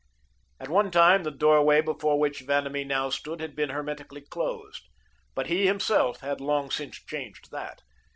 At one time, the doorway before which Vanamee now stood had been hermetically closed. But he, himself, had long since changed that.